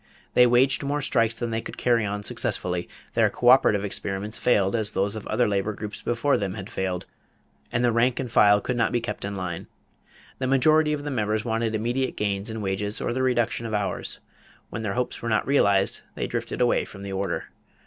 They waged more strikes than they could carry on successfully; their coöperative experiments failed as those of other labor groups before them had failed; and the rank and file could not be kept in line. The majority of the members wanted immediate gains in wages or the reduction of hours; when their hopes were not realized they drifted away from the order.